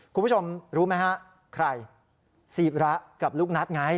คุณผู้ชมรู้ไหมฮะใครศีระกับลูกนัทไง